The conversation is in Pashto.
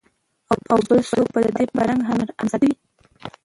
او بل څوک د ده په رنګ حرامزاده وي